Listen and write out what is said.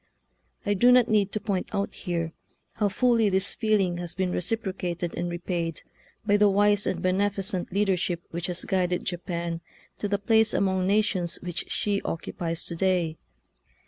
I do not need to point out here how fully this feeling has been re ciprocated and repaid by the wise and beneficent leadership which has guided Japan to the place among nations which she occupies to day.